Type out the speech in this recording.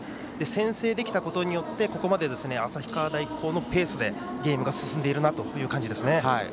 先制できたことによってここまで旭川大高のペースでゲームが進んでいる感じです。